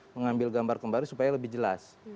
mengambil gambar kembali supaya lebih jelas